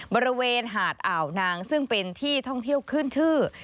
บริเวณหาดอ่าวนางซึ่งเป็นที่ท่องเที่ยวขึ้นชื่อ